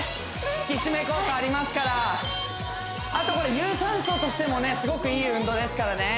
引き締め効果ありますからあとこれ有酸素としてもねすごくいい運動ですからね